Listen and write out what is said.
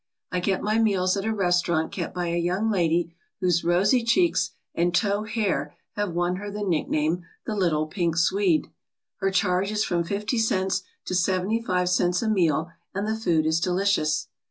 I get my meals at a restaurant kept by a young lady whose rosy cheeks and tow hair have won her the nickname, "The Little Pink Swede." Her charge is from fifty cents to seventy five cents a meal and the food is delicious.